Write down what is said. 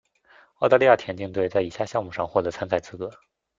澳大利亚田径队在以下项目上获得参赛资格。